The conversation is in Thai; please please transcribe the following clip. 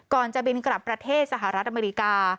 ก่อนจะบินกลับประเทศสหรัฐอเมริกา